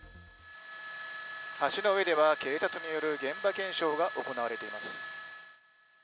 橋の上では、警察による現場検証が行われています。